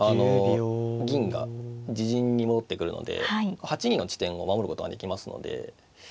銀が自陣に戻ってくるので８二の地点を守ることができますので。